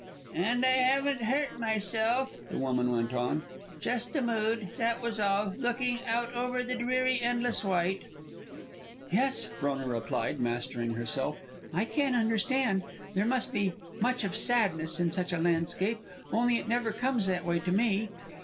"And I haven't hurt myself," the woman went on. "Just a mood, that was all, looking out over the dreary endless white." "Yes," Frona replied, mastering herself; "I can understand. There must be much of sadness in such a landscape, only it never comes that way to me.